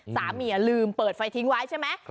สามีลืมเปิดไฟทิ้งไว้ใช่ไหม